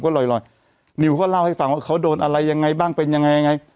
ก็ลอยนิวก็เล่าให้ฟังว่าเขาโดนอะไรยังไงบ้างเป็นยังไงยังไง